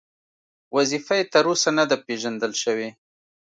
وظیفه یې تر اوسه نه ده پېژندل شوې.